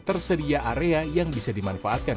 tersedia area yang bisa dimanfaatkan